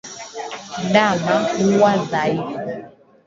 Ndama huwa dhaifu